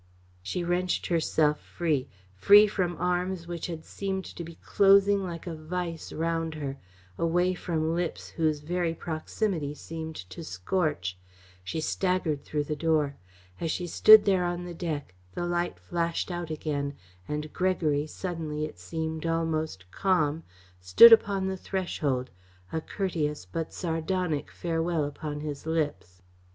She wrenched herself free free from arms which had seemed to be closing like a vice round her, away from lips whose very proximity seemed to scorch. She staggered through the door. As she stood there on the deck, the light flashed out again, and Gregory, suddenly, it seemed, almost calm, stood upon the threshold, a courteous but sardonic farewell upon his lips.